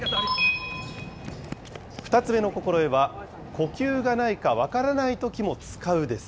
２つ目の心得は、呼吸がないか分からないときも使うです。